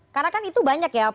karena kan itu banyak ya